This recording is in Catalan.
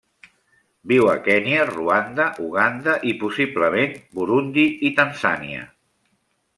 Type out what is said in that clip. Viu a Kenya, Ruanda, Uganda i, possiblement, Burundi i Tanzània.